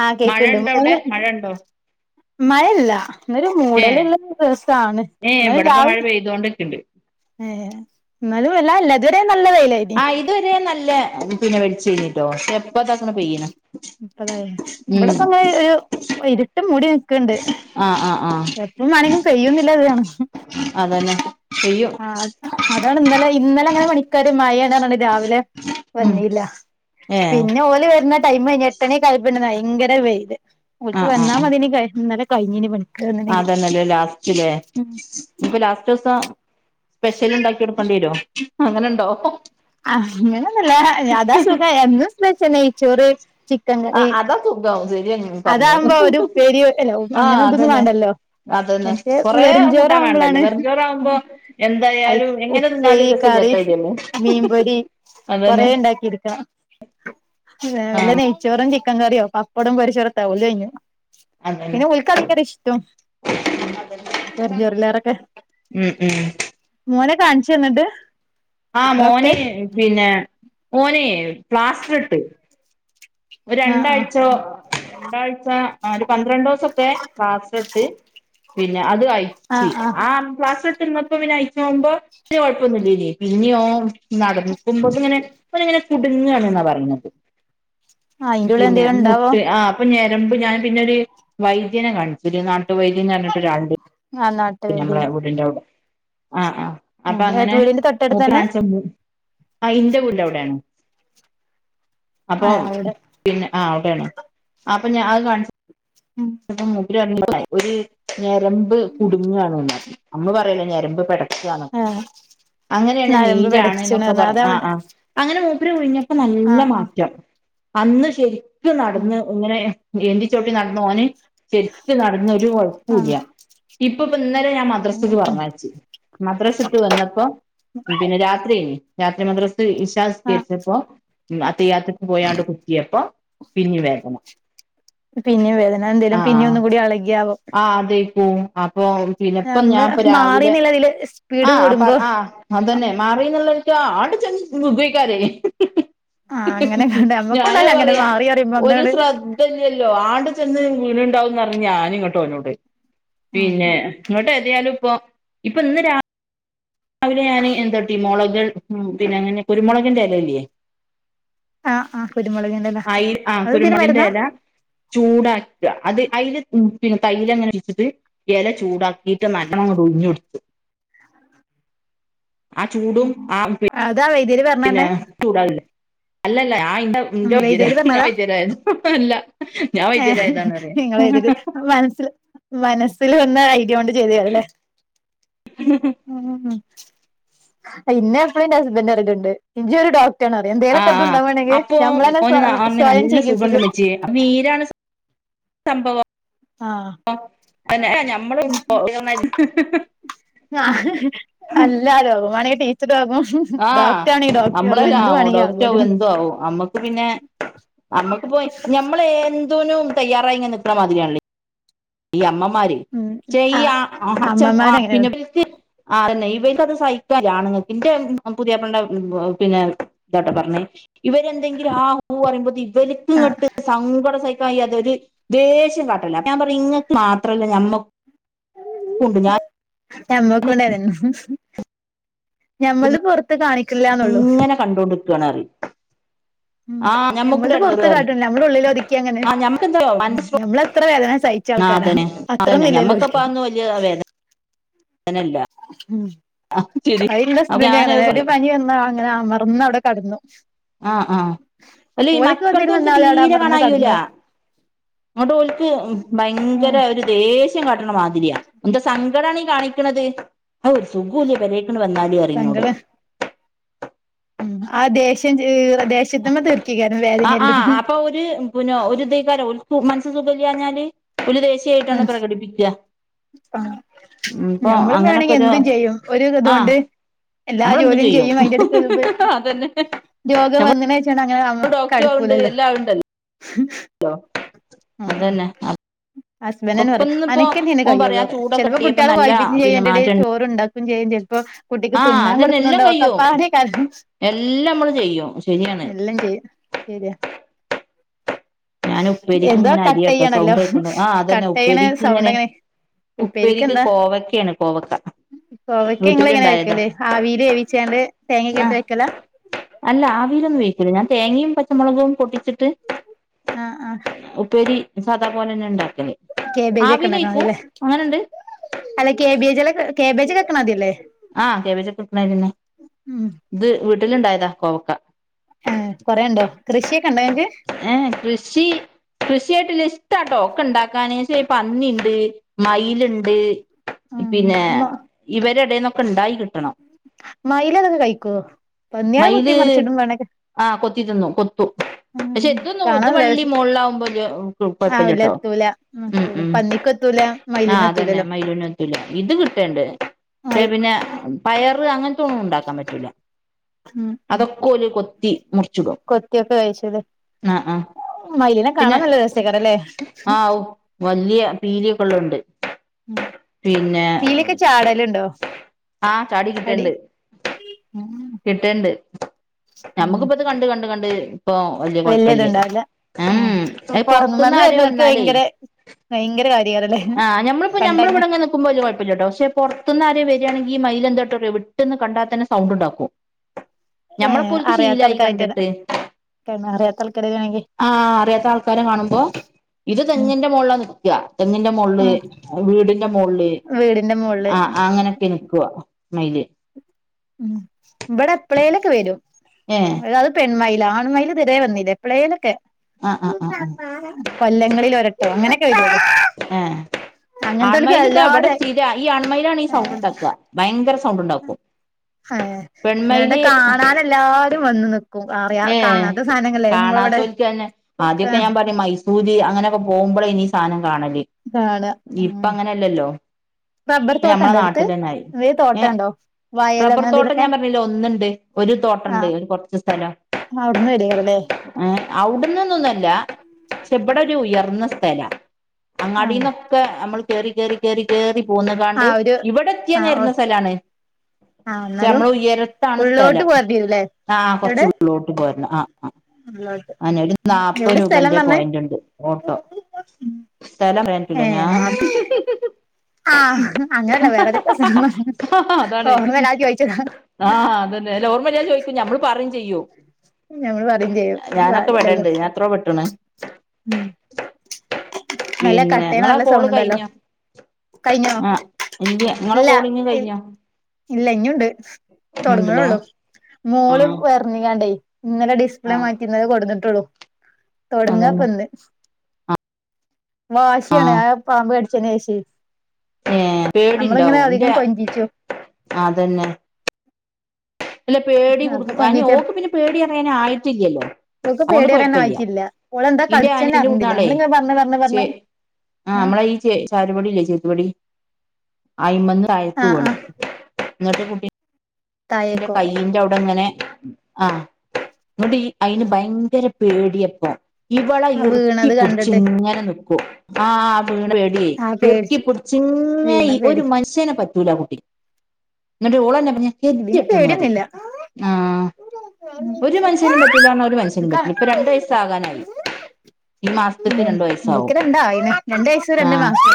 ആ മഴ കേക്കണ്ട് ഉണ്ടോ അവിടെ മൂവ് മഴ ഉണ്ടോ മയല്ല ഇന്നരു ഏ മൂടലള്ള ദിവസണ് ഏ ന്നാ ഇവിടെപ്പ രാവിലെ [unintelligible] ഏഹ് എന്നാലും വല്ലാ ല്ല ഇതവരെ നല്ല വെയിലായിരി ആഹ് ഇതൊരു നല്ല പിന്നെ വെടിച്ചീന്ട്ടോ പഷേ [unintelligible] ഉം ഇവിടെപ്പോ അങ്ങനെ ഒരു ഇരുട്ടു മൂടി ക്ണ്ട് ആ ആ ആ എപ്പളും മാണെങ്കി പെയ്യുന്നില്ലാതാണ്. അതന്നെ ചെയ്യും അതാണ് ഇന്നലെ ഇന്നലെ അങ്ങനെ പണിക്കാര് മഴയാണാന്ന് പറഞ്ഞ് രാവിലെ ഉം വന്നില്ല ഏ പിന്നെ ഓര് ടൈം കഴി എട്ടണി ഒക്ക ഭയങ്കര വെയില് ആ ഓൽക്ക് ആ വന്നാ ആ മതിന് കഴിഞ്ഞീനി പണി അതന്നെല്ലേ ലാസ്റ്റിലേ ഇപ്പ ലാസ്റ്റസം സ്പെഷ്യല് ഇണ്ടാക്കി കൊടുക്കണ്ടിരോ അങ്ങനെണ്ടോ അഹ് അങ്ങനെന്നൂല്ല അതാ സുഖം എന്നും സ്പെഷ്യല് നെയ്ച്ചോറ് ചി ആഹ് അതാ സുഖം ശരിയാണ് ഇങ്ങള്പറഞ്ഞത് അതാകുമ്പോ ഒരു ഉപ്പേരി അല്ല ആഹ് അങ്ങനെ ഇതൊന്നും അതന്നെ വേണ്ടല്ലോ അതന്നെ മറ്റേ കൊറേ കൂട്ടാൻ വേണ്ടല്ലോ വെറുംചോറാവുമ്പളാണ് വെറു ചോറാവുമ്പോ എന്തായാലും അയ്ക്ക് എങ്ങനെ തിന്നാലും ഉപ്പേരി രസം കറി ഇല്ലാത്ത മാതിരിയല്ലേ മീൻപൊരി കൊറേ അതന്നെ ഉണ്ടാക്കിയെടുക്കണം വല്ല ആഹ് നെയ്ച്ചോറും ചിക്കൻ കറിയോ പപ്പടം പൊരിച്ചൊട്ത്താ ഓൽത് കൈഞ് അതന്നെ പിന്നെ ഓല്ക് ഇഷ്ടം വേർ ചോറിലോരൊക്കെ ഉം ഉം മോനെ കാണിച്ച് തന്നിട്ട് ആഹ് മോന് പിന്നെ മോനെ പ്ലാസ്റ്ററിട്ടു ഒരു ആഹ് ആഹ് രണ്ടാഴ്ചയോ രണ്ടാഴ്ച ഒരു ആഹ് പന്ത്രണ്ട് ദിവസക്കെ പ്ലാസ്റ്റർ ഇട്ട് പിന്നെ അത് അഴിച്ചി ആഹ് പ്ലാസ്റ്ററിട്ടി ഇപ്പ പിന്നെ അയച്ചു പോമ്പോ കുഴപ്പൊന്നുമില്ലല്ലേ പിന്നിയോ നടക്കുമ്പോ ഇങ്ങനെ ഒരിങ്ങനെ കുടുങ്ങാണ് ന്നാ പറയുന്നത്. ആഹ് അയിന്റുള്ളിൽ പിന്നെ എന്തേലും ഉണ്ടാവോ മുട്ട് ആഹ്. അപ്പോ ഞരമ്പ് ഞാൻ പിന്നെ ഒരു വൈദ്യനെ കാണിച്ച് നാട്ടു വൈദ്യനെന്നു പറഞ്ഞിട്ട് ഒരാളുണ്ട് ആന്നാ പി നമ്മളെ വടിന്റെ കവിടെ ആ ആ അപ്പൊ ആഹ് ഏട്ടന്റെ അങ്ങനെ വീടിന്റെ തൊട്ടടുത്ത് തന്നെ മൂപ്പരാൻച്ച അയിന്റെ വീടവടെ ആഹ് അപ്പം അവിടെ പിന്നെ ആ അവിടെയാണ് അപ്പോ ഞാൻ അത് കാണി ഉമ് എന്റെ മൂക്കിലാണെങ്കിലേ ഒരു ഞരെമ്പ് കുടുങ്ങാണ് നിന്നേ. നമ്മെള് പറയേലേ ഞരെമ്പ് പെട ആഹ് അങ്ങനെയാണ് നരമ്പ് നീരാണ് പിടച്ച്ണ് എന്നൊക്കെ പറഞ്ഞ് പറ ആഹ് അതവിടെ ആഹ് അങ്ങനെ മൂപ്പര് ഉഴിഞ്ഞപ്പോ നല്ല ആഹ് ആഹ് മാറ്റം അന്ന് ശരിക്കും ഉം നടന്ന് ഇങ്ങനെ എന്തി ചോട്ടി നടന്ന ഓന് ചെത്തി നടന്നൊരുകൊഴപ്പേം ഇല്ല. ആഹ് ഇപ്പൊ പ്പൊ ഇന്നലെ ഞാൻ മദ്രാസക്ക് ഉം പറഞ്ഞ് അയച്ച് മദ്രാസ വിട്ട് വന്നപ്പോ പിന്നെ രാത്രിഎയ്ന് രാത്രി മദ്രസ് ഞാൻ ആഹ് നിസ്കരിച്ചപ്പോ ഉമ് അത്തഹിയാത്ത്ക് പോയാണ്ട് കുത്തിയപ്പോ പിന്നിം വേദന പിന്നെ വേദനന്തേലും പിന്നെ ഒന്നു കൂടി അളക്യാവോ. ആ അതെ പോ അപ്പൊ പിന്നെ ഇപ്പോ നമ്മള് ഞാൻ രാവിലെ മാറിന്നില്ലതില് സ്പീഡ് ആപറ കൂടുമ്പോ ആ അതന്നെ മാറിന്നുള്ള ഒരിക്ക അടിച്ച് ആഹ് അങ്ങനെ കണ്ട [unintelligible] [inaudible] ഞാനത് നമ്മക്കുണ്ടല്ലോ അങ്ങനെ പറയാ മാറി അറിയുമ്പോ ഒരു ഒന്നങ്ങട് ശ്രദ്ധ ഇതന്നെയല്ലോ ആണ്ട്ചെന്ന് വീന ഉണ്ടാവുംന്ന്റിഞ് ഞാന് ഇങ്ങട്ട്വന്നത് ഉം പിന്നെ ഇങ്ങോട്ട് ഏതിയാലും ഇപ്പൊ ഇപ്പൊ ഇന്ന് രാ അവര് ഞാൻ എന്താട്ടീ മൊളക് ഉം പിന്നെ അങ്ങനെ കുരുമുളകിന്റെ എലല്ലേ ആഹ് ആഹ് കുരുമുളകിന്റെല അയ് ആ അത് ഇതിന് മരുന്നാ കുരുമുളളിന്റെലാ ചൂടാക്ക അത് അതിൽ പിന്നെ തൈല അങ്ങനെ വെച്ചിട്ട് എല ചൂടാക്കിയിട്ട് നല്ലണം ങ്ങട്ട് ഉഴിഞ് കൊട്ത്ത് ആ ചൂടും ആ അതാ വൈദ്യര് പറ പിന്നെ ചൂടല്ലേ അല്ലല്ല ഉം [unintelligible] ഉയിരാ വൈദ്യര് വൈദ്യര അല്ല ഞാൻ ഏ വൈദ്യരായതാണ് പറയാ നിങ്ങളെതില് മനസ്സിൽ മനസ്സിൽ വന്ന ഐഡിയ കൊണ്ട് ചെയ്തവുല്ലേ [unintelligible] ഉം ഇന്നെ എപ്പളെന്റെ ഹസ്ബൻഡ് അറിഞ്ഞട്ടൊണ്ട്. എനിച്ചൊരു ഡൗട്ട് അയോ എന്തേങ്കലൊക്കെ ആഹ് ആഹ് അതുണ്ടാവേണമെങ്കിൽ അപ്പൊ നമ്മള തന്നെവ സ്വയം ചികിത്സിക്കും വീരാണ് സ് സംഭവം ആഹ് [unintelligible] ആഹ് അല്ലാരും മാണേ ടീച്ചറ ആകും ആഹ് നമ്മളെല്ലോ എന്ത് ആ വേണെങ്കി മോഡോക്റ്റ ആകോലോ ആവും എന്തു ആവും നമ്മുക്ക് പിന്നെ അമ്മക്കിപ്പോ ഞമ്മളെത്തിനും തയ്യാറായിങ്ങെനെ നിക്കണമാതിര്യാൺലേ. ഈ അമ്മമാര് ഉം ആ ചെയ്യാം ആ അച്ഛൻ ആ പിന്നെ അമ്മമാരങ്ങനെയാണ് പിന്നെ ആതന്നെ ഇവരിക്ക് അത് സഹിക്കാല്ല ആണുങ്ങക്ക് പുതിയപ്ലാന്റെ പിന്നെ എന്താട്ടാ പറഞ്ഞേ ഇവരെ എന്തെങ്കിലും ആ ഹൂ പറയുമ്പോ ഇവര് ആഹ് സങ്കടം സഹക്കാൻ കയ്യാതൊരു ദേഷ്യം കാട്ടലാ നിങ്ങെക്ക് മാത്രല്ല. ഞമ്മെക്കുണ്ട് ഞാൻ ഞമ്മക്കൊണ്ടായിരുന്നു ഞമ്മൾ പുറത്ത് കാണികൂ ഇക്ക്ല്ലന്നുള്ളൂ ങ്ങനാ കണ്ടൊണ്ടിരിക്കാണ്റീം ഉം ആഹ് ഞമ്മൾത് ഞമ്മുക്കുണ്ടാട്ടെടൊരു പൊറത്ത് കറി കാട്ടൂല നമ്മള് ഉള്ളിലൊതുക്കി അങ്ങനെ ആഹ് ഞമ്മക്ക് എന്തറായോ ഉം മനസ് സു ഞമ്മളെത്ര വേദന സഹിച്ച ആഹ് ആൾക്കാരാ അതന്നെ അതന്നെ അത്രൊന്നില്ലല്ലോ ഞമ്മക്കിപ്പ ഓൽക്ക് അന്ന് വലിയ വേദന വേദനല്ല ഉം ശരി അയിന്റെ അപ്പൊ ഹസ്ബന്ഡ് ഞാനത് അങ്ങനെതന്നെ എടി പറയും പനി വന്നോ അങ്ങനെ അമർന്ന് അവടെ കെടന്നു ആഹ് ആഹ് അല്ല ഈ മക്കൾ ഓല്ക് വന്നാല് അവിടെ തീരെ അമർന്ന് കാണാകയ്യൂല കടന്നു ങ്ങട്ട് ഓല്ക്ക് ഉം ഭയങ്കര ഒരു ദേഷ്യം കാട്ടണ മാതിരിയ എന്താ സങ്കടാണ് ഈ കാണിക്കണത് ആ ഒരു സുഖൂല്യ പരെ ങൾ വന്നാലി അറി ഞ്ഞോടൂ ഉമ് ആ ദേഷ്യം ദേശ്യത്ത് മെ തീർക്കിക്കാരരുന്നു വേദന എല്ലതും പുനോ ഒരു ദേ കാലം മനസിൽ സുഖയിലഞ്ഞാല് ഓല് ദേഷ്യായിട്ടാണ് പ്രകടിപ്പിക്കുക. ആഹ് ഉം ഇപ്പൊ ഞമ്മളും അങ്ങനൊക്കെ വേണെങ്കി ഒരു എന്തും ചെയ്യും ഒരു ആ ഇതൊണ്ട് എല്ലാ ജോലിയും ചെയ്യും അതിന്റ എടക്ക് അതന്നെ രോഗം നമ്മൾ വന്ന വെച്ച അങ്ങനെ ഓ കടെക്കൂലല്ലോ ലോ അതന്നെ ഹസ്ബന്റ് അപ്പൊ ഇപ്പൊ പറയും ഇന്നിപ്പോ അനക്കന്ന തന്നെ ഓൻ കൈയുള്ളൂ പറയാ ആ ചൂടൊക്കെ ചിലപ്പോ തട്ടിയപ്പോ കുട്ടികളെ നല്ല വായിപിച്ചും ചെയ്യും പിന്നെ അയ്‌ന്റെ ഇടേൽ മാറ്റണ്ട് ചോറണ്ടാക്കും ക്കും ചെയ്യും ചെലപ്പോ കുട്ടിക്ക് ആ തിന്നാൻ അതന്നെ എല്ലാം കൊടുക്കുണുണ്ടാവും കഴിയും ഒക്കപ്പാടെ കാരണം എല്ലാം നമ്മള് ചെയ്യും ശരിയാണ് ശരിയ ഞാൻ ഉപ്പേരിക്ക് എന്തോ ഇങ്ങനെ അരിയാട്ടോ. കട്ടെയ്യാണല്ലോ സൗണ്ട് കേക്കണ്ടോ. ആ അതന്നെ കട്ടെയ്യണ സൗണ്ട് ഉപ്പേരിക്കിങ്ങനെ. അങ്ങനെ ഉപ്പേരിക്ക് കോവക്കയണ്. കോവക്ക. കൊവയ്ക്ക് ഇങ്ങ എങ്ങനെ വീട്ടിലുണ്ടായതാ വെക്കലേ ആവീൽ വേവിച്ചാണ്ട് തേങ്ങക്ക ആ ഇട്ട് വെക്കല അല്ല ആവിരൊന്നും വഴിക്കല്ല ഞാൻ തേങ്ങയും പച്ചമുളകും പൊട്ടിച്ചിട്ട് ആഹ് ആഹ് ഉപ്പേരി സാദാ പോലെ തന്നെ ഉണ്ടാക്കല് കേബേജൊക്കെ ഇണ്ടാക്കണ ആവിയിൽവേവിക്കും മതില്ലേ അങ്ങനെണ്ട് അല്ല കേബേജല്ല കേബേജ് [unintelligible] ക്കണ മതില്ലേ ആഹ് [unintelligible] ഉം ഇത് വീട്ടിലുണ്ടായതാ കോവക്ക ആ കൊറെണ്ടോ കൃഷിയൊക്കെ ഇണ്ടോ നിങ്ങക്ക് ഏഹ് കൃഷി കൃഷിയായിട്ടുള്ള ഇഷ്ടാട്ടോക്കണ്ടാക്കാൻ പക്ഷേ പന്നിണ്ട് മയിലുണ്ട് പിന്നെ മ ഇവരെടന്നൊക്കെ ഇണ്ടായിക്കിട്ടണം മയിലതൊക്കെ കഴിക്കോ പന്നിയാൾ കുത്തി മയില് മർച്ചിടും വേണക്കെ ആഹ് കൊത്തി തിന്നു പക്ഷെ ഇത് ഇത് വള്ളി മുകളിലകുമ്പോ ആ വല്ല കുഴപ്പില്ലിട്ടോ എത്തൂല ഉം എത്തൂല ഉം പന്നിക്കെത്തൂല ആഹ് അതന്നെ മയിലിനെത്തൂലല്ലോ മൈലൂന് ഇല്ല ഇത് കിട്ടേണ്ട് മയിൽ കിട്ടിയെപ്പിന്നെ പയറ് അങ്ങനത്ത ഒന്നും ഉണ്ടാക്കാൻ പറ്റൂല്ല ഉം ഉം അതൊക്കെ ഓര് കൊത്തി മുറിച്ചിടും. കൊത്തിയൊക്കെ വേവിച്ചുലെ ആഹ് ആഹ് പിന്നെ രസേക്കാരല്ലേ ആഹ് വലിയ പീലിയൊക്കെ ഉള്ളതുണ്ട് ആഹ് പിന്നെ യിലെക്കെ ചാടലുണ്ടോ? ആ ഹ് ചാടി അടി കിട്ടണ്ട് ഉം കിട്ടണ്ട് ഞമ്മുക്കിപ്പ ഇത് കണ്ട് കണ്ട് കണ്ട് ഇപ്പൊ.... വല്യ കൊഴപ്പല്യ വലിയതുണ്ടാവില്ല ഉം അത് പൊറത്തുന്ന് പൊറമേന്നു ആരേം വരുന്നോർക്കു വന്നാലേ ഭയങ്കര ഭയങ്കര കാര്യമാണല്ലേ പണ്ടങ്ങ് ക്കുമ്പോ വല്യ കുഴപ്പില്ലട്ടോ. പക്ഷെ, പൊറത്തന്ന് ആരേം വെ ണെങ്കിൽ ഈ മയിൽ എന്തോട്ട വിട്ടന്ന് കണ്ടാൽ തന്നെ സൗണ്ട് ഉണ്ടാക്കും. ഞമ്മളെ പോലക്ക് ശീലായി കണ്ടിട്ട്..... കൈമാറിയാൽ തൽ കരയിണെങ്കി ആ അറിയാത്ത ആൾക്കാരെ കാണുമ്പോ ഇത് ഉം തെങ്ങിന്റെ മോളിലാന്ന് തെങ്ങിന്റെ മോളില് ആഹ് വീടിന്റെ മോളില് വീടിന്റെ മോളില് ആഹ് അങ്ങനെ ക്കി നിക്കുവാ മയില് ഉം ഇവിടെ എപ്പളേലൊക്കെ വരും.... ഏ അത് പെണ്മയില ആൺമയില് ഇതരേ വന്നില്ല എപ്പഴേലൊക്കെ ആഹ് ആഹ് ആഹ് ആഹ് കൊല്ലങ്ങളിൽ ഒരട്ടോ അങ്ങനെയൊക്കെ വരു ഏഹ് ആൺമയില് ദാ ഇവടെ സ്ഥിര ഈ ആൺമയിലാണ് ഈ സൗണ്ട് ഏഹ് ഉണ്ടാക്ക ഭയങ്കര സൗണ്ട് ഉണ്ടാക്കും ആഹ് എന്നോണ്ട് പെൺമയില് കാണാൻ എല്ലാരും വന്ന് നിക്കും അറിയ ഏഹ് കാണാത്ത സാധനങ്ങല്ലേ നമ്മളെ ഇവിടെ... കാണാത്തോൽക്ക് തന്നെ ആദ്യൊക്കെ ഞാൻ പറഞ്ഞു മൈസൂര് അങ്ങനെയൊക്കെ പോകുമ്പോഴേ ഇനി ഈ സാധനം കാണല്... കാണാ ഉം ഇപ്പങ്ങനെല്ലല്ലോ റബ്ബർ ഇപ്പൊ ഞമ്മളെ തോട്ടണ്ടോ അടുത്ത് നാട്ടിൽ തന്നെയായി വേ ഏ തോട്ടണ്ടോ വയൽ അങ്ങനെ റബ്ബർത്തോട്ടം എന്തെലൊക്കെ ഞാൻ പറഞ്ഞില്ലേ ഒന്നുണ്ട് ഒരു തോട്ടണ്ട് ഒരു കൊറച്ച് സ്ഥലം [unintelligible] നിങ്ങ അവിടുന്ന് മേടിക്കാറല്ലേ അവ്ട്ന്ന്ന്നൊന്നല്ല പക്ഷെ ബട ഒരു ഉയർന്ന സ്ഥലാ ആഹ് അങ്ങാടിന്നൊക്കെ നമ്മൾ കേറി ക്കേറി കേറി കേറി പോന്നങ്ങാണ്ട് ആഹ് ഒരു ഇവിടെ എത്തിയ ആഹ് നെരന്ന സ്ഥലാണ് ആഹ് ജ്ജ് എന്നാലും നമ്മള് ഉയരത്താണ് ഉള്ളോട്ട് സ്ഥലം പോരണ്ടിവരൂല്ലേ ആ എവിടെ കുറച്ചുള്ളോട്ട് പോരണം ആ ആ ഉള്ളോട്ട് അനെ ഒരു നാല്പ്പത് എവിടെ സ്ഥലം രൂപന്റെ പറഞ്ഞേ പോയന്റ് ഉണ്ട് ഓട്ടോ. സ്ഥലം [unintelligible] ലെ ഏ ഞാൻ ആഹ് അങ്ങനല്ല വേറെതൊ അതാണ് ഓർമയില്ലാതെ ചോയ്ച്ചതാ ആഹ് അതന്നെ അല്ല ഓർമ്മയില്ലാന്ന് ചോദിക്കും നമ്മള് പറയും ഞമ്മള് പറയും ചെയ്യും ഞാനൊക്കെ പാടില്ലല്ലോ പെടണ്ട് ഞാൻ എത്ര പെട്ടണ്. ഉം നല്ല പിന്നെ കട്ടേന ഇങ്ങളെ നല്ല കോള് സൗണ്ട് ഉണ്ടല്ലോ.. കഴിഞ്ഞോ കഴിഞ്ഞോ ആഹ് ഇല്ല്യാ ങ്ങളെ ഇല്ല പോളിങ്ങ് കഴിഞ്ഞാ ഇല്ല ഇഞുണ്ട് ഉണ്ടല്ലേ തൊടങ്ണെള്ളു മോള് ആഹ് വർ [unintelligible] ഇന്നലെ ഡിസ്പ്ലേ ആഹ് മാറ്റിത് കൊണ്ടുന്നിട്ടുള്ളൂ തൊടങ്ങാ അതന്നെ വാശിയാണ് ആഹ് ആ പാമ്പ് കടിച്ചെന് ശേഷേ ഏഹ് നമ്മളിങ്ങനെ പേടിണ്ടാവും അധികം ഇന്റെ കൊഞ്ചിച്ചു അതന്നെ.... അല്ല പേടി അപ്പൊ കൊടു അതിന് കൊഞ്ചിച്ച ഓക്ക് പിന്നെ പേടി അറിയാന് ആയിട്ടില്ലല്ലോ. ഇവക്ക് അതുകൊണ്ട് പേടിപറയാൻ കൊഴപ്പല്ല ആയിട്ടില്ല അവളെന്താ ഇന്റെ കടിച്ചന്ന അനിയത്തിന്റെ അറിഞ്ഞില്ല കുട്ട്യാളെ നമ്മളിങ്ങ പറഞ്ഞ് ചെ പറഞ്ഞ് ആഹ് നമ്മളെയി ചേ ചാരുപടില്ലേ ചെറ്റുപടി അയിമന്ന് താഴേക്ക് ആഹ് വീണ് ആഹ് ന്നട്ട് കുട്ടി എന്റെ തായേക്കോ കയിന്റെ അവിടെ ഇങ്ങനെ ആ ഹ് ങ്ങട്ട് അയിന് ഭയങ്കര പേടിയയിപ്പോ ഇവളെ ആ വീണത് കണ്ടിട്ട് ഇറുക്കിപ്പിടിച്ചിങ്ങനെ നിക്കൂം ആഹ് വീണ് പേടിയായി ആ പേടിച്ചു ഇറക്കിപ്പടിച്ചിങ്ങനെ വീണ ഒരു പേടി മനുഷ്യനെ പറ്റി ലാ കുട്ടി എന്നട്ട് ഓളെന്നാ പറഞ്ഞേ ഇതിന് [unintelligible] മാറി പേടിയൊന്നില്ല ആഹ് ഉം ഒരു മൻസെനിം പറ്റൂല റഞ്ഞ ഒരു മൻസെനിം പറ്റൂല്ല. ഇപ്പൊ രണ്ടു വയസ്സ ആകാനായി. ഈ മാസത്തക്ക് രണ്ടു വയസ്സാവും ഇവക്ക് രണ്ടായിണ് രണ്ട് വയസ്സും രണ്ട് ആഹ് മാസം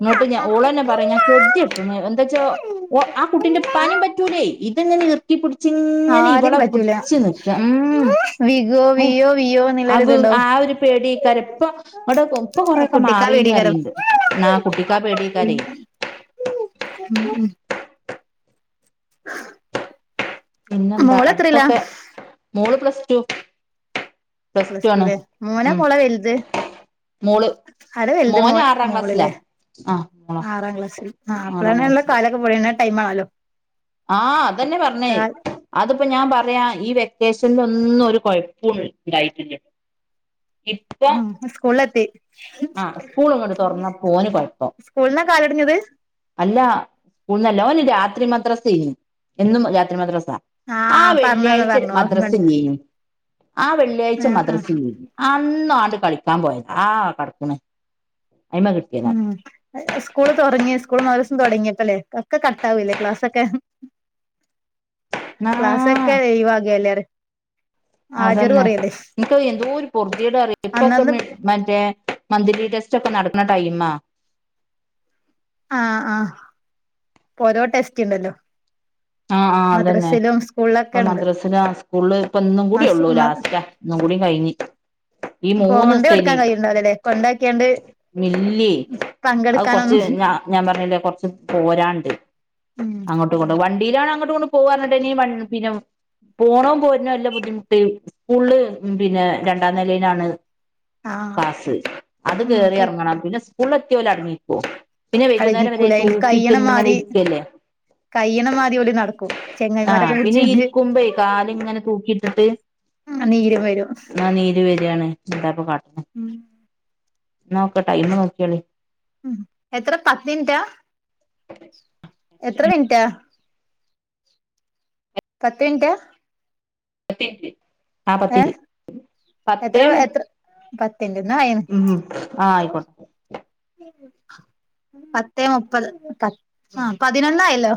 ഇങ്ങോട്ട് ഞ ഓളന്നെ പറയും ഞാൻ ഗതികെട്ടെന്ന് എന്താച്ച ഓ ആഹ് കുട്ടിന്റെ പനിപറ്റൂലേ ഇതിങ്ങനെ ഇർ പുടിച്ച് ഇങ്ങനെ ആരേം ഇവളെ പറ്റൂല പുടിച്ച് നിൽക്കും വികോ ഉംഹ് വിയോ വിയോ എന്നുള്ളൊരു അത് ഇതുണ്ടാവും ആ ഒരു പേടിയക്കാര ഇപ്പ അവിടെ ഇപ്പൊ ആ കൊറയൊക്കെ കുട്ടിക്കാ മാറീന് പേടിയേക്കാരം അറിയണ്ട് [inaudible] പിന്നെന്താ മോള് എത്രയിലാ അടുത്തൊക്കെ മോള് പ്ലസ് ടു പ്ലസ് ടു ലെ മോനാ ഉം മോളാ വൽത് മോള് ആരാ വെൽത് മോന് മോൻ ആറാം മോള് ല്ലേ ക്ലാസ്സിലാ ആ മോളാ ആറാം ക്ലാസ്സിൽ ആഹ് അപ്പള ആറാം തന്നള്ള ക്ലാസ്സില് കാലൊക്കെ പൊളിയുന്ന ടൈം ആണല്ലോ. ആ ഹ് അതെന്നെ പറഞ്ഞെ കാൽ അതിപ്പോ ഞാൻ പറയാ ഈ വെക്കേഷണലിന് ഒന്നും ഒരു കൊയപ്പും ഉണ്ടായിട്ടില്ല ഇപ്പൊ ഉം സ്കൂളിലെത്തി ആ സ്കൂളിങ്ങോട്ട് തുറന്നപ്പോ ഓന് കൊയപ്പം സ്കൂളന്നാ കാലൊടിഞ്ഞത് അല്ല സ്കൂൾന്നല്ല ഓന് രാത്രി മദ്രസ എന്നും രാത്രി മദ്രസ ആ ആഹ് പറഞ്ഞന്ന് വെള്ളിയാഴ്ച പറഞ്ഞു മദ്രസിൽ ഓർമ്മണ്ട് ഇല്ലായിന് ആഹ് വെള്ളിയാഴ്ച ആ ആ മദ്രസിൽ ഇല്ലയ്ന് ആഹ് അന്നാണ്ട് കളിക്കാൻ പോയത് ആഹ് കടക്കണ് അയിമ കിട്ടിയന്നാ. ഉം സ്കൂള് തൊടങ്ങി സ്കൂൾ മദ്രസ്സും തുടങ്ങിയപ്പല്ലേ ഒക്കെ കാട്ടാവല്ലേ ക്ലാസ്സൊക്കെ ക്ലാസ്സൊക്കെ ആ [unintelligible] എല്ലാരും അതന്നെ നിക്ക് എന്തോരു പൊറതീടാറിയോ ഇപ്പൊക്കെ അന്നന്ന് മറ്റേ മന്ത്ലി ടെസ്റ്റ് ഒക്കെ നടക്കുന്ന ടൈമാ ആഹ് ആഹ് ഓരോ ടെസ്റ്റ് ഉണ്ടല്ലോ. അ ആ അതന്നെ മദ്രസയിലും സ്കൂളിലൊക്കെ ഇപ്പം ഉണ്ട് മദ്രാസില സ്കൂൾല് ഇപ്പം ഇന്നും മസ് കൂടിള്ളൂ മദ് ലാസ്റ്റ ഉം കുടി കഴിഞ്ഞ് ഈ മൂന്ന് കൊണ്ടോയി ശനി കൊടുക്കാൻ കഴിയുണ്ടാവില്ലല്ലേ കൊണ്ടാക്കിയാണ്ട് മില്ലി അത് കുറച്ച് പങ്കെടുക്കാനൊന്നും ഞാ ഞാൻ പറഞ്ഞില്ലേ കുറച്ച് പോരാണ്ട് ഉം അങ്ങോട്ടും ഇങ്ങോട്ടും വണ്ടിയിലാണ് അങ്ങോട്ട് കൊണ്ട് പോവാന്നിട്ട് പറഞ്ഞ് പിനു പോണ പോരനോ എല്ലാം ബുദ്ധിമുട്ട് സ്കൂളില് പിന്നെ രണ്ടാം നിലയിലാണ്. ആ പാസ് അത് ഉം കേറി അപ്പൊ എറങ്ങണം പിന്നെ സ്കൂൾ എത്തിയ ഓല് അടങ്ങിയിരിക്കും പിന്നെ വൈകുന്നേരം വരെ അടങ്ങിക്കൂല അയിൽ തൂക്കിയിട്ട് കഴിയണ ഇങ്ങനെ മാതിരി ഇരിക്കല്ലേ കയ്യണ മാതി ഓല് നടക്കും ആഹ് ചെങ്ങായിമാരൊക്കെ പിന്നെ പിടിച്ചാണ്ട് ഇരിക്കുമ്പേയ് കാല് ങ്ങനെ തൂക്കിട്ട്ട്ട് നീരും വരും നാ നീര് വരിയാണ് എന്താപ്പ കാട്ടണെ. ഉം നോക്ക് ടൈം നോക്കിയോളി. എത്ര പത്ത് മിൻറ്റാ എത്ര മിൻറ്റാ പത്ത് മിനിറ്റാ പത്തിഞ്ച് ആ പത്തിഞ്ച് പത്തേ മു പത്തിന്റെ തായേണ് ഉം ആഹ് ആയിക്കോട്ടെ പത്തേ മുപ്പത് പ ആഹ് പതിനൊന്നായല്ലോ.